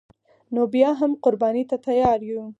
نو بیا هم قربانی ته تیار یو